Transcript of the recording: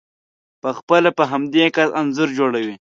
په خپله په همدې کس انځور جوړوئ،